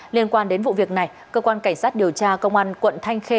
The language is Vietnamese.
liên quan đến vụ việc này cơ quan cảnh sát điều tra công an quận thanh khê